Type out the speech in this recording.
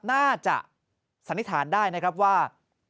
สันนิษฐานได้นะครับว่า